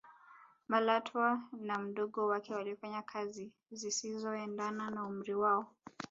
malatwa na mdogo wake walifanya kazi zisizoendana na umri wao